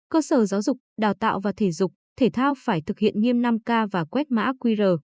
cơ sở giáo dục đào tạo và thể dục thể thao phải thực hiện nghiêm năm k và quét mã qr